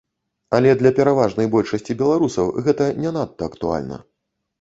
Але для пераважнай большасці беларусаў гэта не надта актуальна.